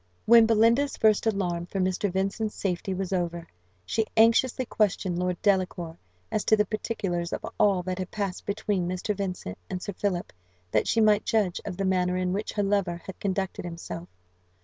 When Belinda's first alarm for Mr. Vincent's safety was over, she anxiously questioned Lord Delacour as to the particulars of all that had passed between Mr. Vincent and Sir Philip, that she might judge of the manner in which her lover had conducted himself.